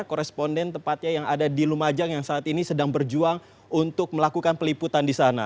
koresponden tepatnya yang ada di lumajang yang saat ini sedang berjuang untuk melakukan peliputan di sana